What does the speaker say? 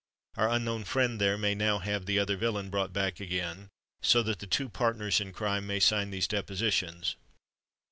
Our unknown friend there may now have the other villain brought back again; so that the two partners in crime may sign these depositions."